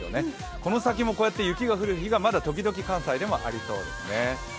この先もこうやって雪が降る日が、まだ時々関西でもありそうですね。